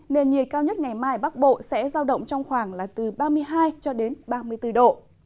nền nhiệt cao nhất ngày mai ở bắc bộ sẽ giao động trong khoảng là từ ba mươi hai cho đến ba mươi bốn độ